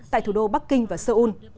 tại thủ đô bắc kinh và seoul